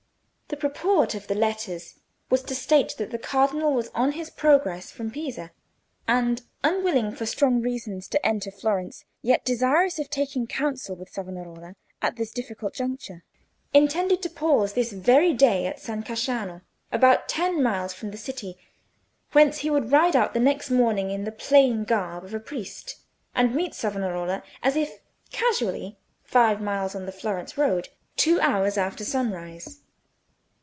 The purport of the letters was to state that the Cardinal was on his progress from Pisa, and, unwilling for strong reasons to enter Florence, yet desirous of taking counsel with Savonarola at this difficult juncture, intended to pause this very day at San Casciano, about ten miles from the city, whence he would ride out the next morning in the plain garb of a priest, and meet Savonarola, as if casually, five miles on the Florence road, two hours after sunrise.